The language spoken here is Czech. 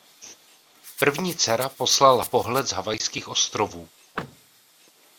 První dcera poslala pohled z Havajských ostrovů.